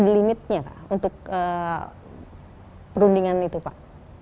limitnya untuk perundingan itu pak